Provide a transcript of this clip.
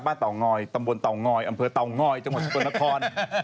เตางอยตำบลเตางอยอำเภอเต่างอยจังหวัดสกลนคร